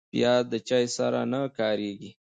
پیاز د چای سره نه کارېږي